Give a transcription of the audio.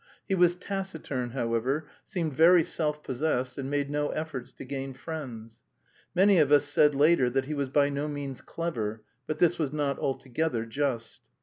He was taciturn, however, seemed very self possessed and made no efforts to gain friends. Many of us said later that he was by no means clever; but this was not altogether just.